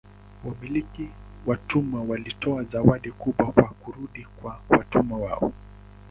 Wamiliki wa watumwa walitoa zawadi kubwa kwa kurudi kwa watumwa wao.